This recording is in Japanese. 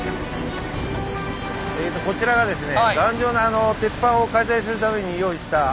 こちらがですね